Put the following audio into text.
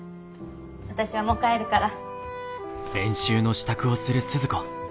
私はもう帰るから。